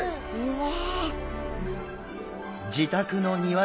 うわ！